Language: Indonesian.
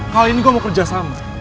kali ini gue mau kerjasama